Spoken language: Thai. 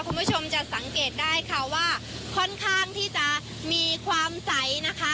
คุณผู้ชมจะสังเกตได้ค่ะว่าค่อนข้างที่จะมีความใสนะคะ